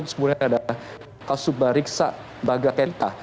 terus kemudian ada kasubariksa bagaketika